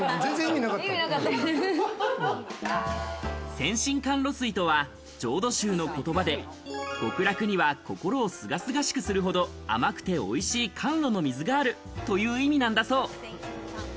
洗心甘露水とは浄土宗の言葉で極楽には心を清々しくするほど甘くて美味しい甘露の水があるという意味なんだそう。